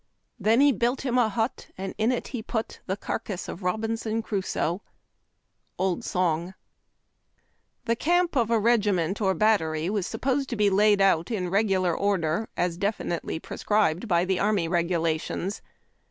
Then lie built him a hut, Aiid in it he put The carcass of Robinson Crusoe. Old Song. liE camp of a regiment or battery was supposed to be laid out in regular order as definitely prescribed by Army Reg ulations.